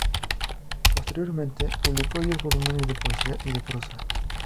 Posteriormente publicó diez volúmenes de poesía y de prosa.